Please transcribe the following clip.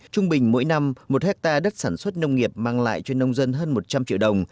trung bình mỗi năm một hectare đất sản xuất nông nghiệp mang lại cho nông dân hơn một trăm linh triệu đồng